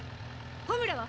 ホムラは？